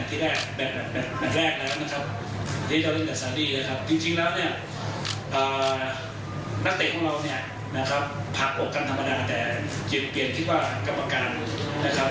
ผลักอกกันธรรมดาแต่เปลี่ยนคิดว่ากรรมการเลยนะครับ